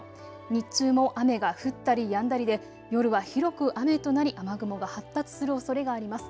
日中も雨が降ったりやんだりで夜は広く雨となり雨雲が発達するおそれがあります。